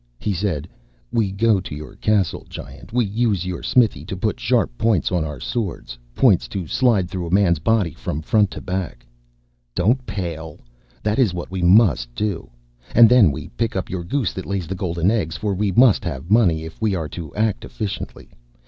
He said, "We go to your castle, Giant. We use your smithy to put sharp points on our swords, points to slide through a man's body from front to back. Don't pale! That is what we must do. And then we pick up your goose that lays the golden eggs, for we must have money if we are to act efficiently.